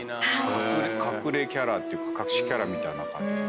隠れキャラっていうか隠しキャラみたいな感じ。